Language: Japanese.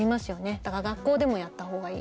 だから学校でもやったほうがいい。